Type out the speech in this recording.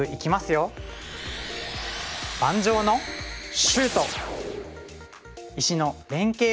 盤上のシュート！